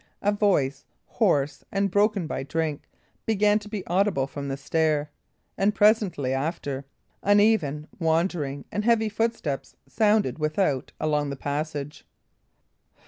A voice, hoarse and broken by drink, began to be audible from the stair; and presently after, uneven, wandering, and heavy footsteps sounded without along the passage.